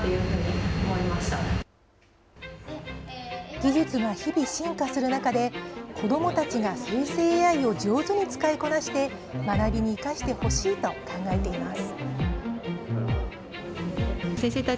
技術は日々進化する中で子どもたちが生成ＡＩを上手に使いこなして学びに生かしてほしいと考えています。